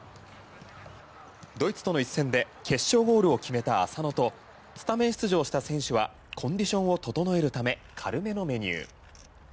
ドイツとの一戦で決勝ゴールを決めた浅野とスタメン出場した選手はコンディションを整えるため軽めのメニュー。